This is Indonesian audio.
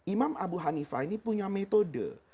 imam abu hanifah ini punya metode